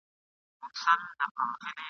خیال مي ځي تر ماشومتوبه د مُلا تر تاندي لښتي ..